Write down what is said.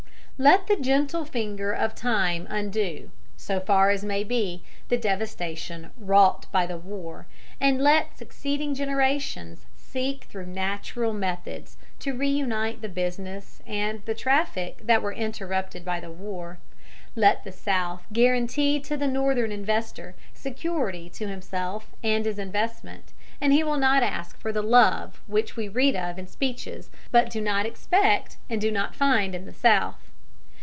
"Let the gentle finger of time undo, so far as may be, the devastation wrought by the war, and let succeeding generations seek through natural methods to reunite the business and the traffic that were interrupted by the war. Let the South guarantee to the Northern investor security to himself and his investment, and he will not ask for the love which we read of in speeches but do not expect and do not find in the South.